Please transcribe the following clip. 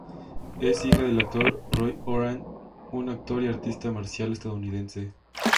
Es hija del actor Roy Horan, un actor y artista marcial estadounidense.